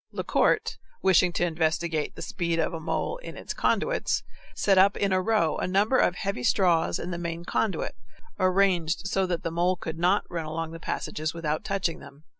Lecourt, wishing to investigate the speed of a mole in its conduits, set up in a row a number of heavy straws in the main conduit, arranged so that the mole could not run along the passages without touching them.